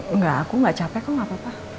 enggak aku nggak capek kok gak apa apa